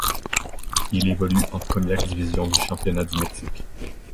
Il évolue en première division du championnat du Mexique.